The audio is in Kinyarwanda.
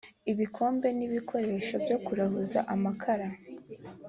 ibikombe n ibikoresho byo kurahuza amakara